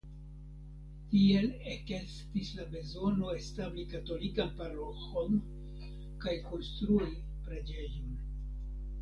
Tiel ekestis la bezono establi katolikan paroĥon kaj konstrui preĝejon.